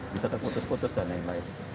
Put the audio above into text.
bisa terputus putus dan lain lain